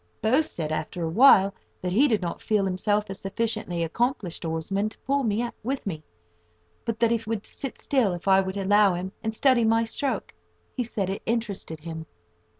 (Bow said, after a while, that he did not feel himself a sufficiently accomplished oarsman to pull with me, but that he would sit still, if I would allow him, and study my stroke. He said it interested him.)